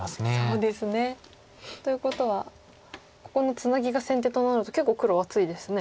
そうですね。ということはここのツナギが先手となると結構黒厚いですね。